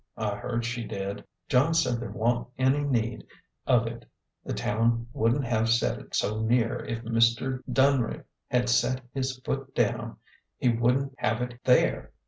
I heard she did. John said there wa'n't any need of it. The town wouldn't have set it so near, if Mr. Dunn had set his foot down he wouldn't have it there.